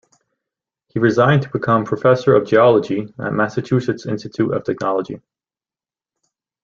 He resigned to become professor of geology at Massachusetts Institute of Technology.